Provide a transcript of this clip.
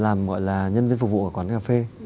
làm gọi là nhân viên phục vụ ở quán cà phê